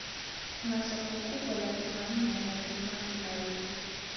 Kuna soko kubwa la Jumanne na Ijumaa kila wiki.